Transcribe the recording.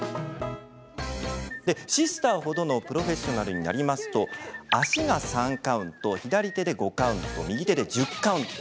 シスターほどのプロフェッショナルになると足が３カウント左手で５カウント右手で１０カウント。